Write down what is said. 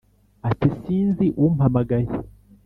Ati sinzi umpamagaye.